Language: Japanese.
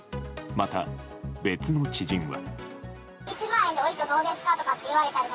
また、別の知人は。